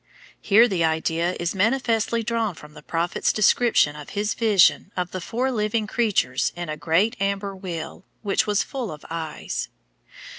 Here the idea is manifestly drawn from the prophet's description of his vision of the four living creatures in a great amber wheel, which was "full of eyes."